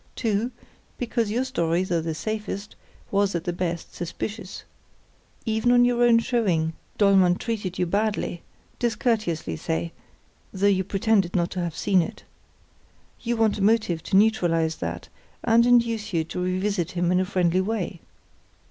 Two, because your story, though the safest, was, at the best, suspicious. Even on your own showing Dollmann treated you badly—discourteously, say: though you pretended not to have seen it. You want a motive to neutralise that, and induce you to revisit him in a friendly way.